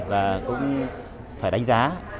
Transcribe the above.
và cũng phải đánh giá